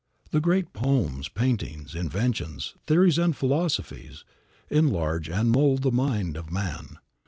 The great poems, paintings, inventions, theories and philosophies, enlarge and mould the mind of man.